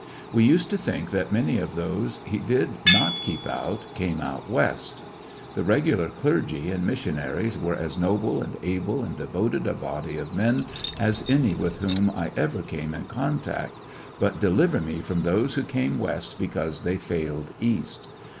We used to think that many of those he did not keep ont came out West, The regular clergy and missionaries were as noble and able and devoted a body of men as any with whom I ever came in contact, 68 '(j/lissionarY in t^e Great West but deliver me from those who came West be cause they failed East.